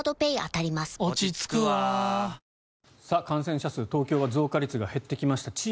感染者数、東京は増加率が減ってきました。